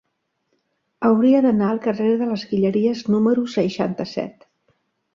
Hauria d'anar al carrer de les Guilleries número seixanta-set.